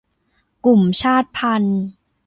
กลุ่มชาติพันธุ์